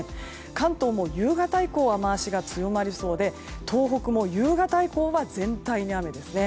関東も夕方以降は雨脚が強まりそうで東北も夕方以降は全体に雨ですね。